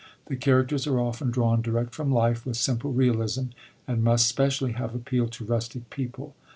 The characters are often drawn direct from life with simple realism, and must specially have appeald to rustic people.